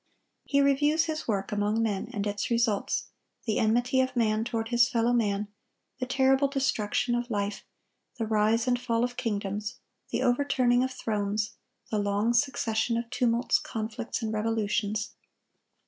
He reviews his work among men and its results,—the enmity of man toward his fellow man, the terrible destruction of life, the rise and fall of kingdoms, the overturning of thrones, the long succession of tumults, conflicts, and revolutions.